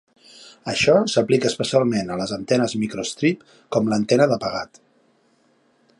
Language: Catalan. Això s"aplica especialment a les antenes microstrip com l"antena de pegat.